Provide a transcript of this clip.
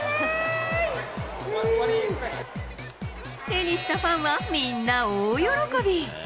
手にしたファンは、みんな大喜び。